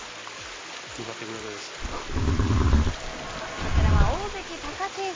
こちらは大関・貴景勝。